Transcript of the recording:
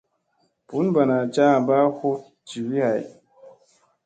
Bunbana caamba huɗ jivi hay.